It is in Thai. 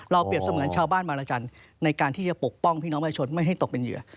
เปรียบเสมือนชาวบ้านมารจันทร์ในการที่จะปกป้องพี่น้องประชาชนไม่ให้ตกเป็นเหยื่อ